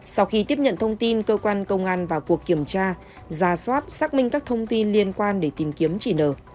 sau khi tiếp nhận thông tin cơ quan công an vào cuộc kiểm tra ra soát xác minh các thông tin liên quan để tìm kiếm chỉ nở